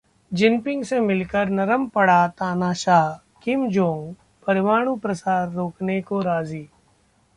Jinping से मिलकर नरम पड़ा तानाशाह किम जोंग, परमाणु प्रसार रोकने को राजी